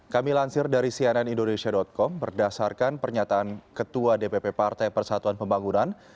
kami lansir dari cnn indonesia com berdasarkan pernyataan ketua dpp partai persatuan pembangunan